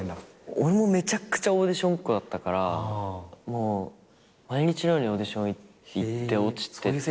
俺もめちゃくちゃオーディション子だったからもう毎日のようにオーディション行って落ちてっていう。